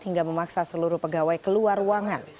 hingga memaksa seluruh pegawai keluar ruangan